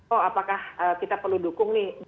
oh apakah kita perlu dukung nih